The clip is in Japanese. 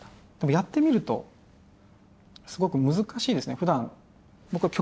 やってみるとすごく難しいですね。